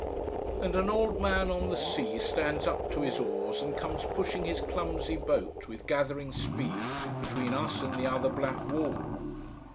And an old man on the sea stands up to his oars and comes pushing his clumsy boat with gathering speed between us and the other black wall.